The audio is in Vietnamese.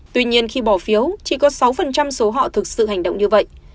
tuy nhiên khi bỏ phiếu chỉ có sáu số họ thực sự hành động như vậy